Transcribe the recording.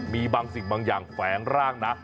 มีบางสิ่งบางอย่างแฝงร่างนะ